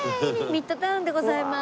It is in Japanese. ミッドタウンでございます。